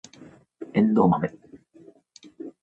エンドウマメ